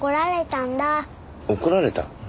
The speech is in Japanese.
怒られた？